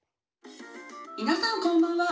「みなさんこんばんは。